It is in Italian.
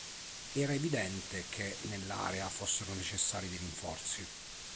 Era evidente che nell'area fossero necessari dei rinforzi.